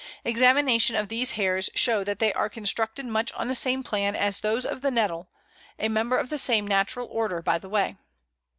Examination of these hairs shows that they are constructed much on the same plan as those of the Nettle a member of the same Natural Order, by the way.